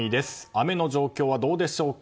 雨の状況はどうでしょうか。